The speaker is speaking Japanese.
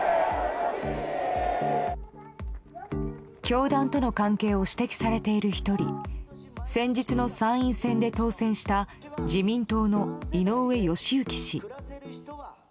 教団との関係を指摘されている１人先日の参院選で当選した自民党の井上義行氏。